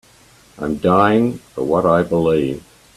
I'm dying for what I believe.